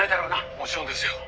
「もちろんですよ」